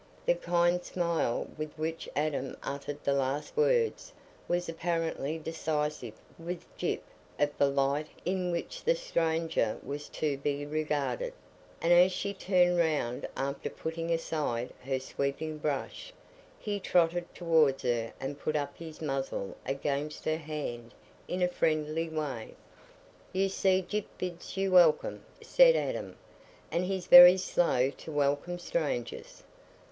The kind smile with which Adam uttered the last words was apparently decisive with Gyp of the light in which the stranger was to be regarded, and as she turned round after putting aside her sweeping brush, he trotted towards her and put up his muzzle against her hand in a friendly way. "You see Gyp bids you welcome," said Adam, "and he's very slow to welcome strangers."